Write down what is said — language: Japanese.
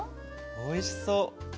おいしそう。